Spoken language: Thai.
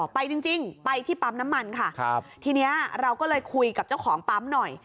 ไปจริงไปที่ปั๊มน้ำมันค่ะครับทีนี้เราก็เลยคุยกับเจ้าของปั๊มหน่อย